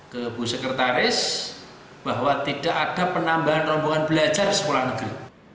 ke bu sekretaris bahwa tidak ada penambahan rombongan belajar di sekolah negeri